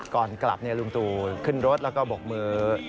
ก่อนกลับลุงตู่ขึ้นรถแล้วก็บกมือ